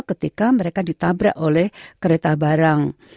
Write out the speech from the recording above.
ketika mereka ditabrak oleh kereta barang